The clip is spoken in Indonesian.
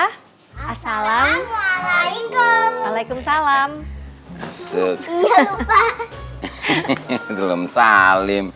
hehehe belum salim